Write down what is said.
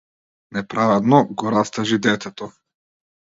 Неправедно го растажи детето.